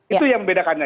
itu yang membedakannya